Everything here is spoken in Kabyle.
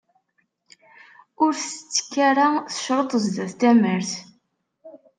Ur tettekk ara tecreṭ zdat tamart.